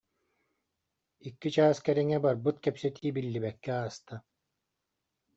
Икки чаас кэриҥэ барбыт кэпсэтии биллибэккэ ааста